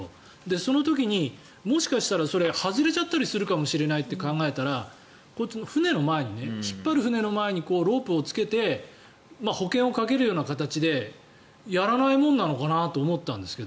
その時にもしかしたら外れちゃったりするかもしれないと考えたら引っ張る船の前にロープをつけて保険をかけるような形でやらないものなのかなと思ったんですが。